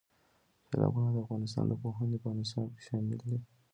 سیلابونه د افغانستان د پوهنې په نصاب کې شامل دي.